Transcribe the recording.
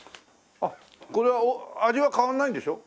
あっこれは味は変わらないんでしょ？